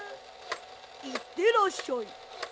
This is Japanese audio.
いってらっしゃい。